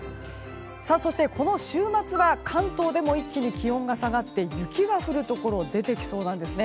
そしてこの週末は関東でも一気に気温が下がって雪が降るところが出てきそうなんです。